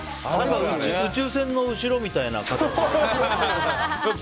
宇宙船の後ろみたいな形で。